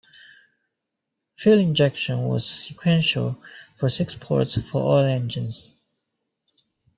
Fuel injection was sequential for six ports for all engines.